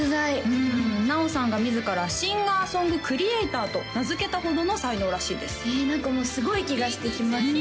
うんｎａｏさんが自らシンガーソングクリエイターと名付けたほどの才能らしいです何かもうすごい気がしてきました